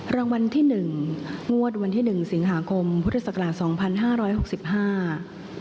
รางวัลที่หนึ่งงวดวันที่หนึ่งสิงหาคมพุทธศักราชสองพันห้าร้อยหกสิบห้า